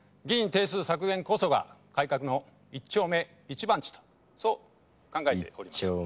議員定数削減こそが改革の一丁目一番地とそう考えております。